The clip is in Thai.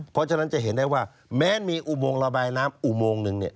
เพราะฉะนั้นจะเห็นได้ว่าแม้มีอุโมงระบายน้ำอุโมงหนึ่งเนี่ย